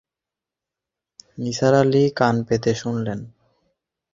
নিসার আলি কান পেতে শুনলেন।